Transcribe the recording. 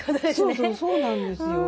そうそうそうなんですよ。